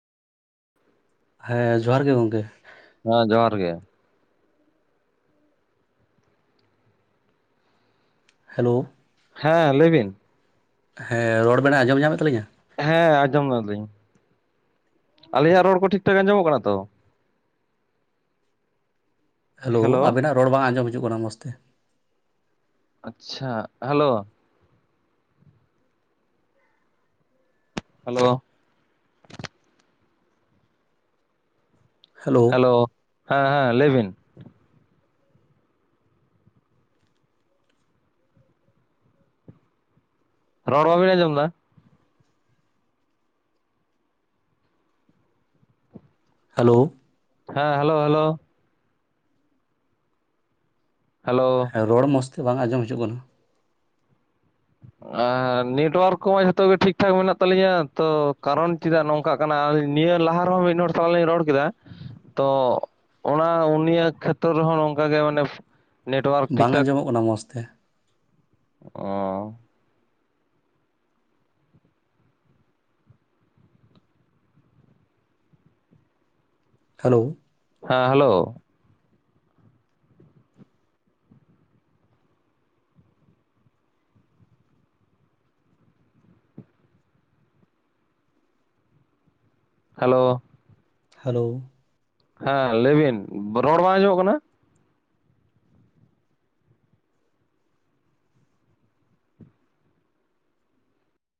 ᱦᱮᱸ ᱡᱚᱦᱟᱨ ᱜᱮ ᱜᱚᱝᱠᱮ। ᱦᱮᱸ ᱡᱚᱦᱟᱨ ᱜᱮ। ᱦᱮᱞᱳ, ᱦᱮᱸ ᱞᱟᱹᱭ ᱵᱤᱱ। ᱦᱮᱸ ᱨᱚᱲ ᱵᱮᱱ ᱟᱸᱡᱚᱢ ᱧᱟᱢᱮᱫ ᱛᱟᱹᱞᱤᱧᱟ᱾ ᱦᱮᱸ ᱟᱸᱡᱚᱢ ᱫᱟᱞᱤᱧ᱾ ᱟᱞᱤᱧᱟᱜ ᱨᱚᱲ ᱠᱚ ᱴᱷᱤᱠ ᱴᱷᱟᱠ ᱟᱸᱡᱚᱢᱚᱜ ᱠᱟᱱᱟ ᱛᱚ? ᱦᱮᱞᱳ ᱟᱵᱮᱱᱟᱜ ᱨᱚᱲ ᱵᱟᱝ ᱟᱸᱡᱚᱢ ᱦᱤᱡᱩᱜ ᱠᱟᱱᱟ ᱢᱚᱡᱽ ᱛᱮ᱾ ᱟᱪᱪᱷᱟ ᱦᱮᱞᱳ, ᱦᱮᱞᱳ, ᱦᱮᱞᱳ ᱦᱮᱸ ᱦᱮᱸ ᱞᱟᱹᱭ ᱵᱤᱱ? ᱨᱚᱲ ᱵᱟᱝᱵᱤᱱ ᱟᱡᱚᱢᱫᱟ? ᱦᱮᱞᱳ, ᱦᱮᱸ ᱦᱮᱞᱳ ᱦᱮᱞᱳ, ᱦᱮᱞᱳ, ᱦᱮᱸ ᱨᱚᱲ ᱢᱚᱡᱽ ᱛᱮ ᱵᱟᱝ ᱟᱸᱡᱚᱢ ᱦᱤᱡᱩᱜ ᱠᱟᱱᱟ᱾ ᱮᱸ ᱱᱮᱴᱣᱟᱨᱠ ᱠᱚᱢᱟ ᱡᱷᱚᱛᱚ ᱜᱮ ᱴᱷᱤᱠ ᱴᱷᱟᱠ ᱢᱮᱱᱟᱜ ᱛᱟᱹᱟᱞᱤᱧᱟ ᱛᱚ ᱠᱟᱨᱚᱱ ᱪᱮᱫᱟᱜ ᱱᱚᱝᱠᱟ ᱠᱟᱱᱟ ᱱᱤᱭᱟᱹ ᱞᱟᱦᱟ ᱨᱮᱦᱚᱸ ᱢᱤᱫ ᱦᱚᱲ ᱥᱟᱣ ᱞᱤᱧ ᱨᱚᱲ ᱠᱮᱫᱟ ᱛᱚ ᱚᱱᱟ ᱩᱱᱤᱭᱟᱜ ᱠᱷᱮᱛᱨᱨ ᱨᱮᱦᱚᱸ ᱱᱚᱝᱠᱟᱜᱮ ᱢᱟᱱᱮ ᱱᱮᱴᱣᱟᱨᱠ ᱴᱷᱤᱠ ᱵᱟᱝ ᱴᱷᱟᱠ ᱟᱸᱡᱚᱢᱚᱜ ᱠᱟᱱᱟ ᱢᱚᱡᱽ ᱛᱮ᱾ ᱚ᱾ ᱦᱮᱞᱳ, ᱦᱮᱸ ᱦᱮᱞᱳ? ᱦᱮᱞᱳ, ᱦᱮᱞᱳ, ᱦᱮᱸ ᱞᱟᱹᱭ ᱵᱤᱱ ᱨᱚᱲ ᱵᱟᱝ ᱟᱡᱚᱢᱚᱜ ᱠᱟᱱᱟ?